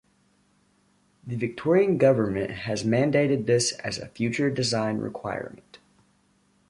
The Victorian Government has mandated this as a future design requirement.